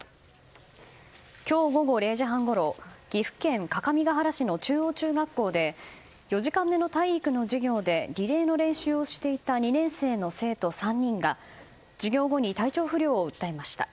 今日午後０時半ごろ岐阜県各務原市の中央中学校で４時間目の体育の授業でリレーの練習をしていた２年生の生徒３人が授業後に体調不良を訴えました。